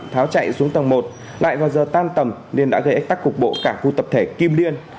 tháo chạy xuống tầng một lại vào giờ tan tầm nên đã gây ách tắc cục bộ cả khu tập thể kim liên